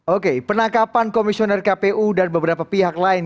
oke penangkapan komisioner kpu dan beberapa pihak lain